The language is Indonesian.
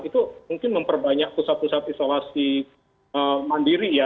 itu mungkin memperbanyak pusat pusat isolasi mandiri ya